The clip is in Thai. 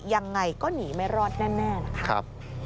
ยังไงก็หนีไม่รอดแน่นะคะ